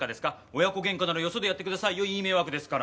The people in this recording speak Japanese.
親子げんかならよそでやってくださいよいい迷惑ですから。